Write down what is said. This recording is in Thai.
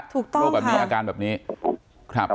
โรคแบบนี้อาการแบบนี้